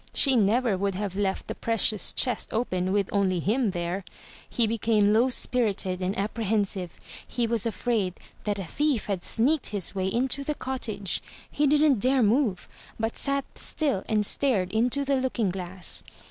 She never would have left the precious chest open with only him there. He became low spirited and apprehensive. He was afraid that a thief had sneaked his way into the cottage. He didn't dare move, but sat still and stared into the looking glass.